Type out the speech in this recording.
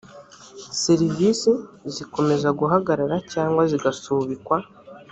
serivisi zikomeza guhagaraga cyangwa zigasubikwa